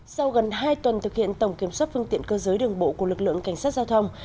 sau gần hai tuần thực hiện tổng kiểm soát phương tiện cơ giới đường bộ của lực lượng cảnh sát giao thông